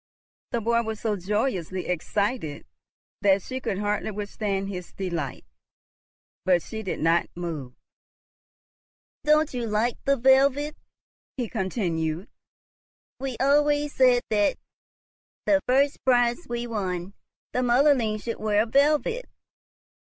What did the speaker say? The boy was so joyously excited that she could hardly withstand his delight, but she did not move. "Don't you like the velvet?" he continued. "We always said that, the first prize we won, the motherling should wear velvet.